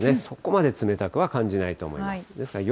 そこまで冷たくは感じないと思います。